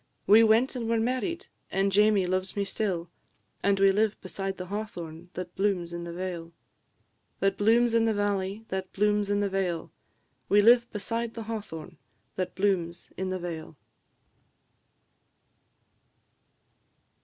We went and were married, and Jamie loves me still, And we live beside the hawthorn that blooms in the vale That blooms in the valley, that blooms in the vale, We live beside the hawthorn that blooms in the vale.